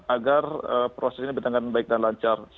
agar proses ini bertanggung jawab baik dan lancar